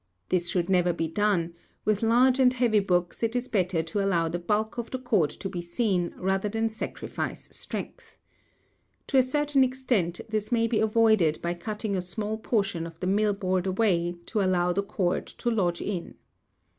This should never be done; with large and heavy books it is better to allow the bulk of the cord to be seen rather than sacrifice strength. To a certain extent this may be avoided by cutting a small portion of the mill board away to allow the cord to lodge in.